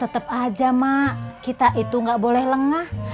tunggu aja mak kita itu gak boleh lengah